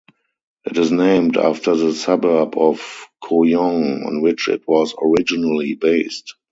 It is named after the suburb of Kooyong, on which it was originally based.